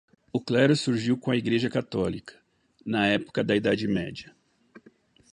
O clero surgiu com a Igreja Católica, na época da Idade Média.